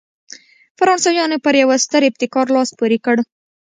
فرانسویانو پر یوه ستر ابتکار لاس پورې کړ.